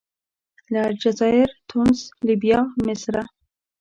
له الجزایر، تونس، لیبیا، مصره.